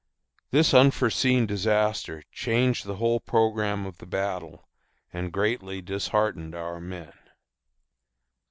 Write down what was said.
This unforeseen disaster changed the whole programme of the battle and greatly disheartened our men.